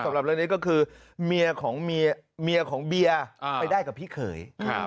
สำหรับเรื่องนี้ก็คือเมียของเมียของเบียร์ไปได้กับพี่เขย